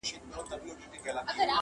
چي زمري به ښکارول هغه یې خپل وه؛